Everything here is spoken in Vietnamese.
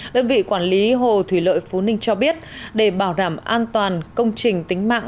đơn vị quản lý hồ thủy lợi phú ninh cho biết để bảo đảm an toàn công trình tính mạng